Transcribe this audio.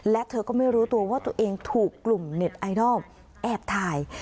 และเธอก็ไม่รู้ตัวว่าตัวเองถูกกลุ่มเน็ตไอดอลแอบถ่าย